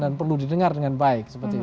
dan perlu didengar dengan baik